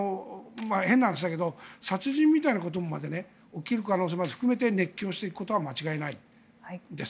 変な話だけど殺人みたいなことまで起きる可能性も含めて熱狂していくことは間違いないです。